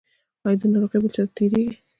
ایا دا ناروغي بل چا ته تیریږي؟